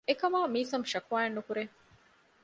އެކަމާ މީސަމް ޝަކުވާއެއް ނުކުރޭ